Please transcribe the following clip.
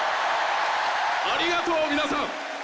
ありがとう、皆さん！